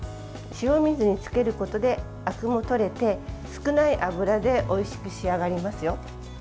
塩水につけることであくもとれて少ない油でおいしく仕上がりますよ。